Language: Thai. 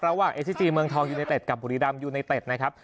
ระหว่างเอสซีจีเมืองทองยูไนเต็ดกับบุรีรามยูไนเต็ดนะครับ